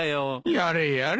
やれやれ。